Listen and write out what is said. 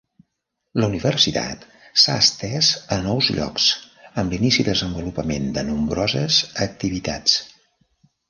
La universitat s'ha estès a nous llocs amb l'inici i desenvolupament de nombroses activitats.